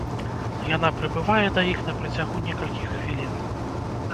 Яна прыбывае да іх на працягу некалькіх хвілін.